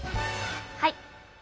はい。